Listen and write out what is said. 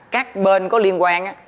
các bên có liên quan